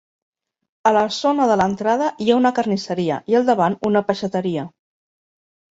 A la zona de l'entrada hi ha una carnisseria i al davant una peixateria.